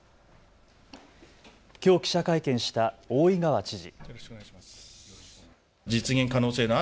きょう記者会見した大井川知事。